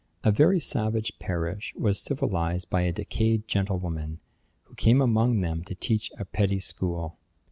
A very savage parish was civilised by a decayed gentlewoman, who came among them to teach a petty school.